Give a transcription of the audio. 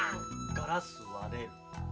ガラス割れる。